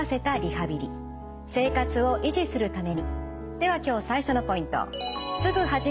では今日最初のポイント。